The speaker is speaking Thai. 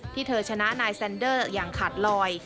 ที่เธอชนะนายแซนเดอร์อย่างขาดลอย